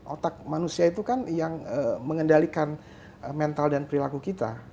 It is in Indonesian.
otak manusia itu kan yang mengendalikan mental dan perilaku kita